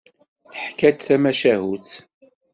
Teḥka-d tamacahut.